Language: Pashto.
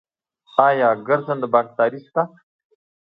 آیا ګرځنده بانکداري شته؟